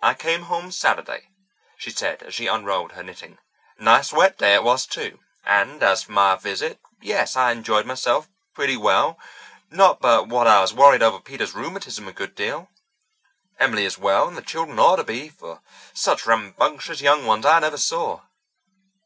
"I came home Saturday," she said, as she unrolled her knitting. "Nice wet day it was too! And as for my visit, yes, I enjoyed myself pretty, well, not but what I worried over Peter's rheumatism a good deal. Emily is well, and the children ought to be, for such rampageous young ones I never saw!